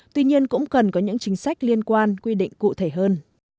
tuy nhiên cũng cần có những chính sách liên quan quy định cụ thể hơn